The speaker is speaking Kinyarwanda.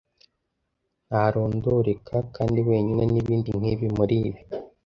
Ntarondoreka kandi wenyine , nibindi nkibi muribi,